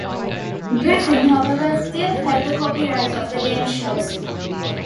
Griffin however, still held the copyrights of the game shows.